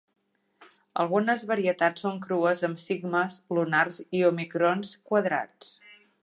Algunes varietats són crues amb sigmes lunars i òmicrons quadrats.